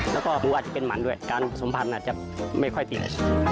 แล้วก็หมูอาจจะเป็นหมันด้วยการสมพันธ์อาจจะไม่ค่อยดี